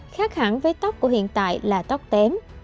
khác hẳn với tóc của hiện tại là tóc kém